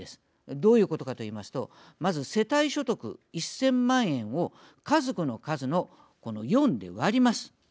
どういうことかと言いますとまず、世帯所得１０００万円を家族の数の、この４で割ります